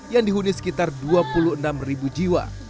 yang dihuni sekitar dua puluh enam ribu jiwa